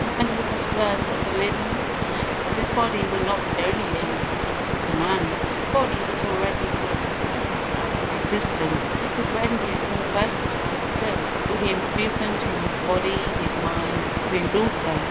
Man would thus learn that the limbs of his body were not the only limbs that he could command. His body was already the most versatile in existence, but he could render it more versatile still. With the improvement in his body his mind improved also.